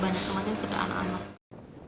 biasa banyak rumahnya sudah anak anak